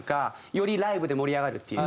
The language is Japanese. よりライブで盛り上がるっていう。